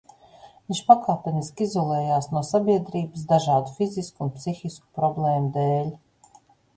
Viņš pakāpeniski izolējās no sabiedrības dažādu fizisku un psihisku problēmu dēļ.